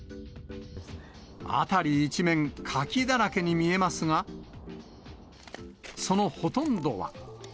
辺り一面、カキだらけに見えますが、そのほとんどは。